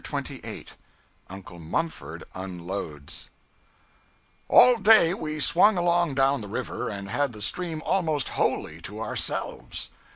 CHAPTER 28 Uncle Mumford Unloads ALL day we swung along down the river, and had the stream almost wholly to ourselves.